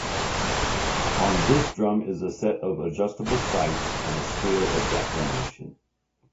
On this drum is a set of adjustable sights and a scale of declination.